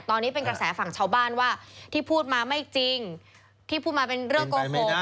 ตอนนี้เป็นกระแสฝั่งชาวบ้านว่าที่พูดมาไม่จริงที่พูดมาเป็นเรื่องโกหก